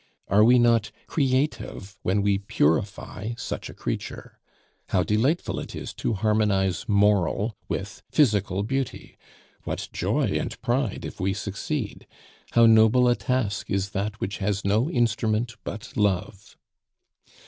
are we not creative when we purify such a creature? How delightful it is to harmonize moral with physical beauty! What joy and pride if we succeed! How noble a task is that which has no instrument but love!